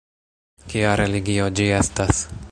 Kia religio ĝi estas?